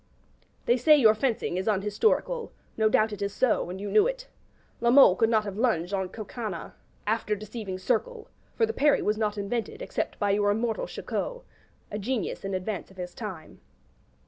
They say your fencing is unhistorical; no doubt it is so, and you knew it. La Mole could not have lunged on Coconnas 'after deceiving circle;' for the parry was not invented except by your immortal Chicot, a genius in advance of his time.